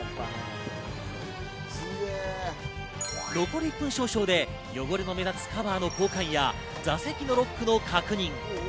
残り１分少々で汚れの目立つカバーの交換や座席のロックの確認。